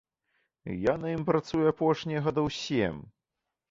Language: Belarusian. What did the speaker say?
Я на ім працую апошнія гадоў сем.